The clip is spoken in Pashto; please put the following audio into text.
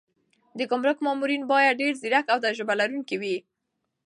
د ګمرک مامورین باید ډېر ځیرک او تجربه لرونکي وي.